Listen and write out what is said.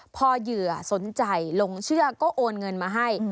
พอเหยื่อสนใจลงเชื่อก็โอนเงินมาให้